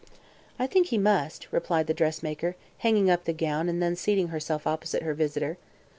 "I think he must," replied the dressmaker, hanging up the gown and then seating herself opposite her visitor.